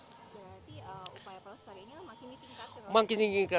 berarti upaya upaya setelah ini makin ditingkatkan